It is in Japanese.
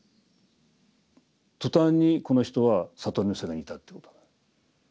途端にこの人は悟りの世界にいたっていうこと。